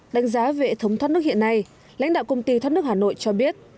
đánh giá về hệ thống thoát nước hiện nay lãnh đạo công ty thoát nước hà nội cho biết